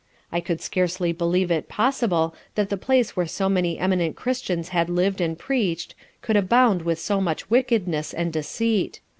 I could scarcely believe it possible that the place where so many eminent Christians had lived and preached could abound with so much wickedness and deceit.